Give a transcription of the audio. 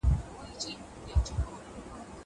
هغه وويل چي قلم ضروري دی.